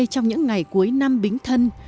trong những ngày cuối năm bính thân